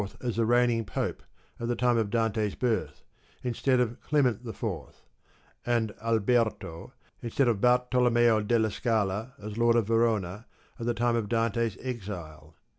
2 Thus, he gives Urban IV as the reigning pope at the time of Dante's birth, instead of Clement IV ; and Alberto, instead of Bartolommeo della Scala as Lord of Verona at the time of Dante's exile.